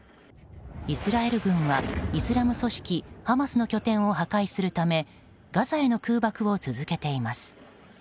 イスラエル軍はイスラム組織ハマスの拠点を破壊するためガザへの空爆を続けています。